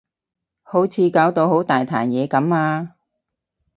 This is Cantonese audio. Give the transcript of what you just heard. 好似搞到好大壇嘢噉啊